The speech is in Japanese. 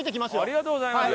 ありがとうございます。